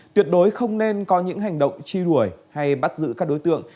tuyệt đối không nên có những hành động chi rủi hay bắt giữ các đối tượng